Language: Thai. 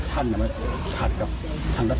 การทำให้มันตามกฎหมายจะพูดมาก